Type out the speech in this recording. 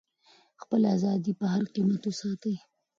خپله ازادي په هر قیمت وساتئ.